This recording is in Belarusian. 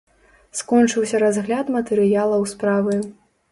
Скончыўся разгляд матэрыялаў справы.